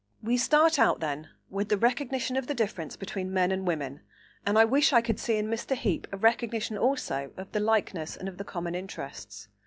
We start out, then, with the recognition of the difference between men and women, and I wish I could see in Mr. Heape a recognition also of the likeness and of the common interests.